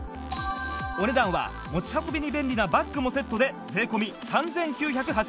お値段は持ち運びに便利なバッグもセットで税込３９８０円